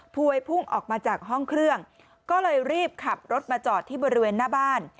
พวยพุ่งออกมาจากห้องเครื่องก็เลยรีบขับรถมาจอดที่บริเวณหน้าบ้าน